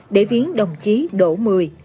để viếng đồng chí đỗ mười